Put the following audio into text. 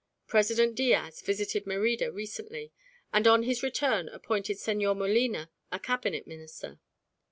President Diaz visited Merida recently, and on his return appointed Señor Molina a Cabinet Minister.